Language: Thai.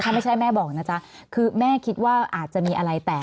ถ้าไม่ใช่แม่บอกนะจ๊ะคือแม่คิดว่าอาจจะมีอะไรแตก